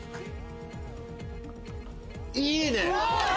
いいね！